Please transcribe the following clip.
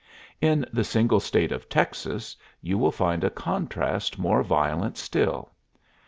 In the single State of Texas you will find a contrast more violent still.